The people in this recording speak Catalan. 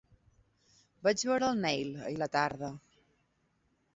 Vaig veure el Neil ahir a la tarda.